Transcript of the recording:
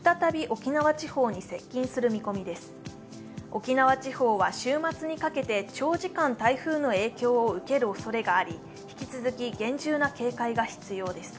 沖縄地方は週末にかけて長時間台風の影響を受けるおそれがあり、引き続き厳重な警戒が必要です。